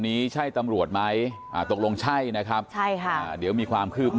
มีกล้วยติดอยู่ใต้ท้องเดี๋ยวพี่ขอบคุณ